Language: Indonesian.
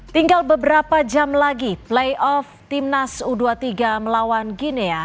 tinggal beberapa jam lagi playoff timnas u dua puluh tiga melawan ginia